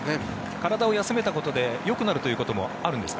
体を休めたことでよくなるということもあるんですか？